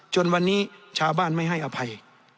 จนวันนี้ชาวบ้านไม่ให้อภัย